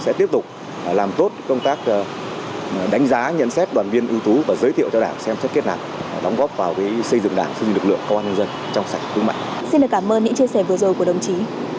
xin cảm ơn những chia sẻ vừa rồi của đồng chí